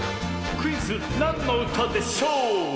クイズ「なんのうたでしょう」！